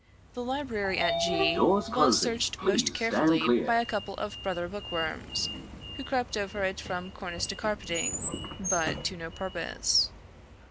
The library at G was searched most carefully by a couple of brother book worms, who crept over it from cornice to carpeting; but to no purpose.